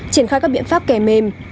triển khai các biện pháp kè mềm